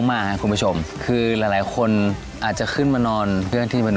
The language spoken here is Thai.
ก็เป็นบริเวณของประเทศเพื่อนบ้านอิตองจากด้านหลังผมเนี่ยนะครับ